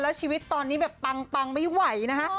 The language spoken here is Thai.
แล้วชีวิตตอนนี้แบบปังไม่ไหวนะฮะ